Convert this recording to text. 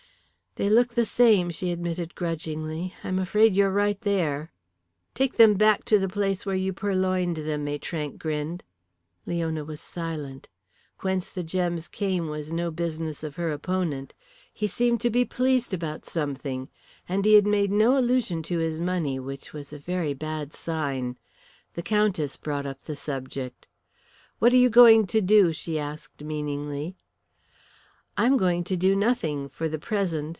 "They look like the same," she admitted grudgingly. "I'm afraid you're right there." "Take them back to the place where you purloined them," Maitrank grinned. Leona was silent. Whence the gems came was no business of her opponent. He seemed to be pleased about something. And he made no allusion to his money, which was a very bad sign. The Countess brought up the subject. "What are you going to do?" she asked meaningly. "I am going to do nothing for the present."